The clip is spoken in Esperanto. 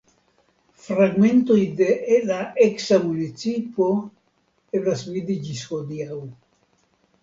Fragmentojn de la eksa municipo eblas vidi ĝis hodiaŭ.